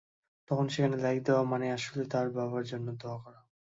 তখন সেখানে লাইক দেওয়া মানে আসলে তার বাবার জন্য দোয়া করা।